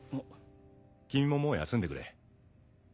君ももう休んでくれ。